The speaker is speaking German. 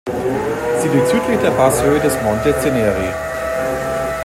Sie liegt südlich der Passhöhe des Monte Ceneri.